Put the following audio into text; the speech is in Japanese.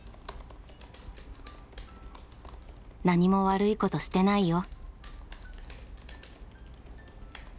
「何も悪いことしてないよ」。